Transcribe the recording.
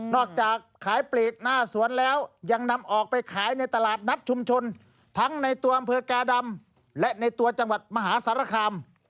จากขายปลีกหน้าสวนแล้วยังนำออกไปขายในตลาดนัดชุมชนทั้งในตัวอำเภอกาดำและในตัวจังหวัดมหาสารคาม